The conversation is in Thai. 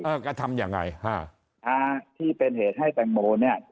เออก็ทำอย่างไรฮะถ้าที่เป็นเหตุให้แจงโมเนี่ย